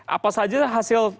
apa saja hasil